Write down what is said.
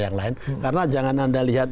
yang lain karena jangan anda lihat